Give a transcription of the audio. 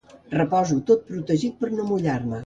Reposo tot protegit per no mullar-me.